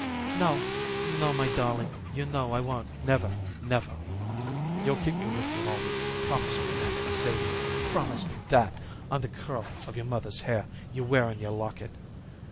"No, no, my darling; you know I won't, never, never." "You'll keep me with you always, promise me that, Sadie. Promise me that on the curl of your mother's hair you wear in your locket.